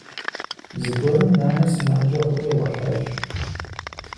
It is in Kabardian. Зэгуэрым нанэ сымаджэ хъури гъуэлъащ.